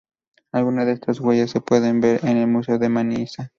Algunas de estas huellas se pueden ver en el Museo de Manisa.